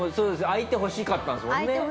相手欲しかったんです。